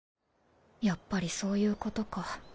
やっぱりそういうことか。